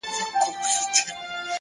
پوهه او عاجزي ښکلی ترکیب دی,